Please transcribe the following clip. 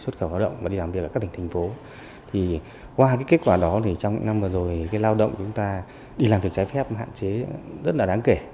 trong những năm vừa rồi lao động chúng ta đi làm việc trái phép hạn chế rất là đáng kể